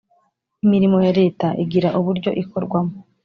Imirimo ya Leta igira uburyo ikorwamo.